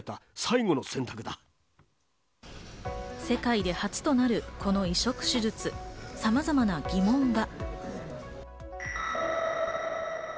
世界で初となるこの移植手術、さまざまな疑問が。